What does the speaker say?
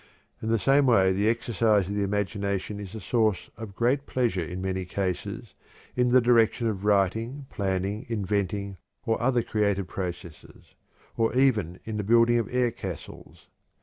In the same way the exercise of the imagination is a source of great pleasure in many cases in the direction of writing, planning, inventing, or other creative processes, or even in the building of air castles.